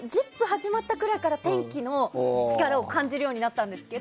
始まったくらいから天気の力を感じるようになったんですけど。